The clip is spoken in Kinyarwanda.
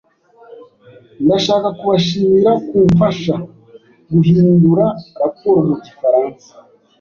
Ndashaka kubashimira kumfasha guhindura raporo mu gifaransa.